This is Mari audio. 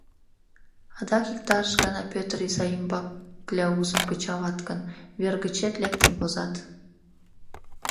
Адак иктаж гана Пӧтыр изай ӱмбак кляузым кычалат гын, вер гычет лектын возат.